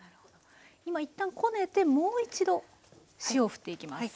今一旦こねてもう一度塩をふっていきます。